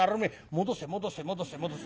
戻せ戻せ戻せ戻せ